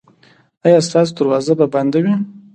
ایا ستاسو دروازه به بنده وي؟